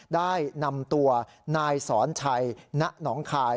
ได้นำตัวนายสอนชัยณหนองคาย